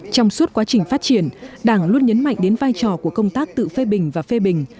trong suốt quá trình phát triển đảng luôn nhấn mạnh đến vai trò của công tác tự phê bình và phê bình